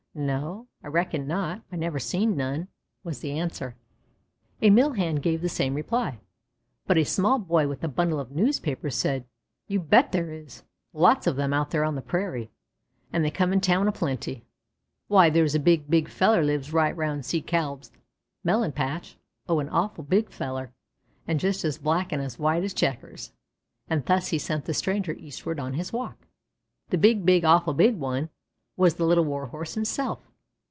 "No, I reckon not. I never seen none," was the answer. A mill hand gave the same reply, but a small boy with a bundle of newspapers said: "You bet there is; there's lots of them out there on the prairie, and they come in town a plenty. Why, there's a big, big feller lives right round Si Kalb's melon patch oh, an awful big feller, and just as black and as white as checkers!" and thus he sent the stranger eastward on his walk. The "big, big, awful big one" was the Little Warhorse himself.